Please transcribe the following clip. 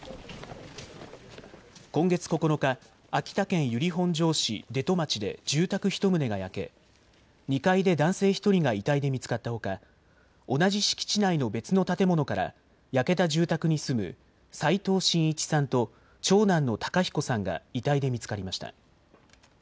今月９日、秋田県由利本荘市出戸町で住宅１棟が焼け２階で男性１人が遺体で見つかったほか同じ敷地内の別の建物から焼けた住宅に住む齋藤真一さんと長男の孝彦さんが遺体で見つかりました。